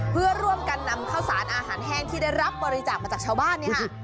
เพื่อร่วมกันนำข้าวสารอาหารแห้งที่ได้รับบริจาคมาจากชาวบ้านเนี่ยค่ะ